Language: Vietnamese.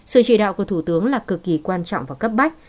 sự chỉ đạo của thủ tướng là cực kỳ quan trọng và cấp bách